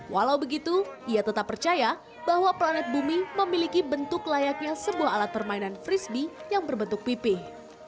walau begitu ia tetap percaya bahwa planet bumi memiliki bentuk layaknya sebuah alat permainan frisbee yang berbentuk pipih